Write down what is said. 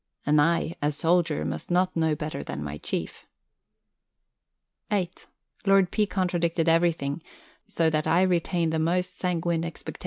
And I, a soldier, must not know better than my Chief. (8) Lord P. contradicted everything so that I retain the most sanguine expectations of success.